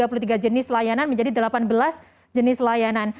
jadi dari jenis layanan menjadi delapan belas jenis layanan